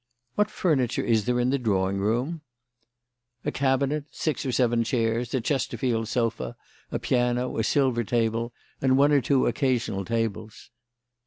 "What furniture is there in the drawing room?" "A cabinet, six or seven chairs, a Chesterfield sofa, a piano, a silver table, and one or two occasional tables."